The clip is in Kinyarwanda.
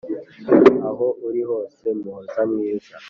Aho uri hose muhoza mwiza,